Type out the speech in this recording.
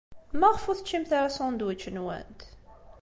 Maɣef ur teččimt ara asandwič-nwent?